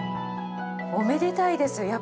おめでたいです。